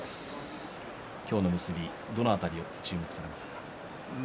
今日の結びどのあたりに注目されますか。